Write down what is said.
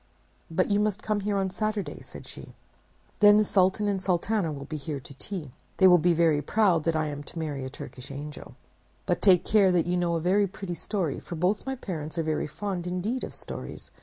"But you must come here on Saturday," said she. "Then the Sultan and Sultana will be here to tea. They will be very proud that I am to marry a Turkish angel. But take care that you know a very pretty story, for both my parents are very fond indeed of stories.